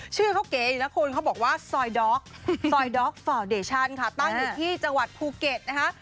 ชื่อเขาเก๋อีกนะคุณเขาบอกว่าซอยด๊อกซอยด็อกฟาวเดชันค่ะตั้งอยู่ที่จังหวัดภูเก็ตนะคะ